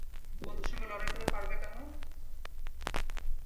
দেবতার সঙ্গে লড়াই করে পারবে কেন?